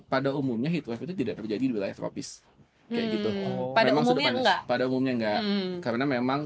pada umumnya hit wave itu tidak terjadi di wilayah tropis kayak gitu pada umumnya enggak karena memang